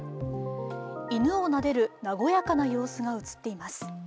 犬をなでる、なごかな様子が映っています。